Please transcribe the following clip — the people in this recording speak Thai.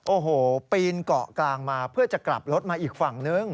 โอ้โหปีนเกาะกลางมาเพื่อจะกลับรถมาอีกฝั่งนึง